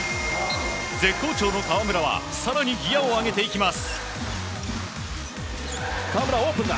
絶好調の河村は更にギアを上げていきます。